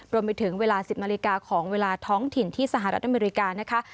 เวลา๑๐นาฬิกาของเวลาท้องถิ่นที่สหรัฐอเมริกานะคะ